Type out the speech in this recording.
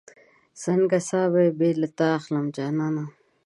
څنګه ساه به بې له تا اخلم جانانه